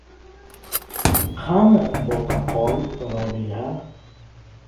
Qani, boTaqol, Robiya!